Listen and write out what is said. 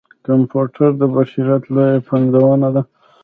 کمپیوټر د بشريت لويه پنځونه ده.